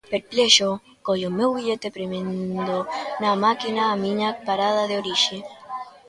Perplexo, collo o meu billete premendo na máquina a miña parada de orixe.